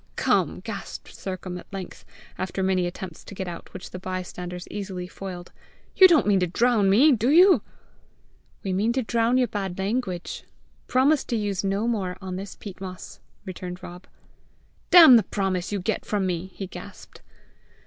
Come!" gasped Sercombe at length, after many attempts to get out which, the bystanders easily foiled "you don't mean to drown me, do you?" "We mean to drown your bad language. Promise to use no more on this peat moss," returned Rob. "Damn the promise you get from me!" he gasped.